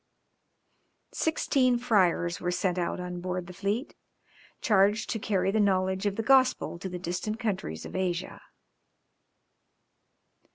Sixteen friars were sent out on board the fleet, charged to carry the knowledge of the Gospel to the distant countries of Asia.